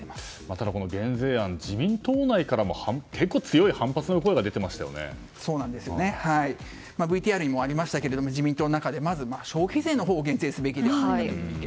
ただ、減税案自民党内から結構強い反発の声がＶＴＲにもありましたが自民党の中で、まず消費税を減税すべきであるという意見。